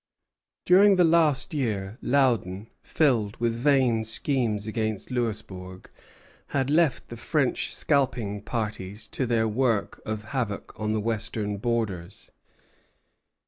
During the last year Loudon, filled with vain schemes against Louisbourg, had left the French scalping parties to their work of havoc on the western borders.